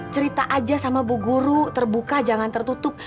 cerita aja sama bu guru terbuka jangan tertutup